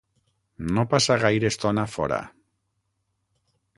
No passa gaire estona fora.